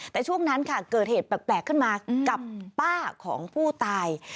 แต่ช่วงนั้นค่ะเกิดเหตุแปลกขึ้นมากับป้าของผู้ตาย